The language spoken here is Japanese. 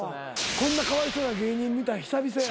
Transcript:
こんなかわいそうな芸人見たん久々や。